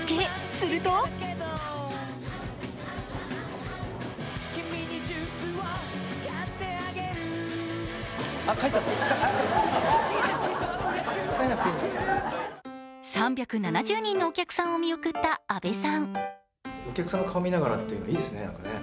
すると３７０人のお客さんを見送った阿部さん。